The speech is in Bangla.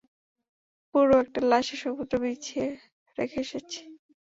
পুরো একটা লাশের সমুদ্র বিছিয়ে রেখে এসেছি।